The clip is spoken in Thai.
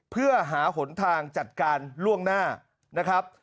เพื่อหาหนทางจัดการล่วงหน้านะครับ